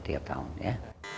tiap tahun ya